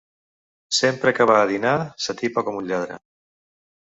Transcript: Sempre que va a dinar, s'atipa com un lladre.